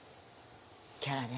キャラね。